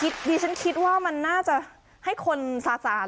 ดิฉันคิดว่ามันน่าจะให้คนสาน